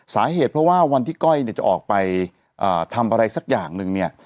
สาเหตุเพราะว่าวันที่ก้อยเนี่ยจะออกไปทำอะไรสักอย่างหนึ่งเนี่ย